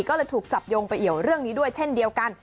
ก็เลยถูกจับโยงไปเอี่ยวเรื่องนี้ด้วยเช่นเดียวกัน